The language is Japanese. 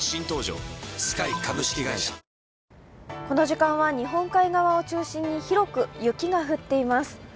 この時間は日本海側を中心に広く雪が降っています。